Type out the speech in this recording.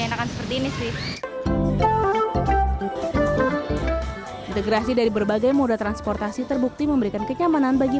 enakan seperti ini sih integrasi dari berbagai moda transportasi terbukti memberikan kenyamanan bagi